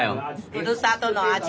ふるさとの味